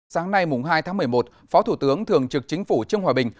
sáng nay hai tháng một mươi một phó thủ tướng thường trực chính phủ trương hòa bình